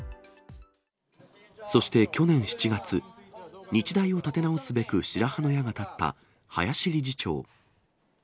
そして去年７月、日大を立て直すべく白羽の矢が立った林理事長。